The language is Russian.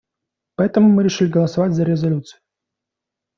Поэтому мы решили голосовать за резолюцию.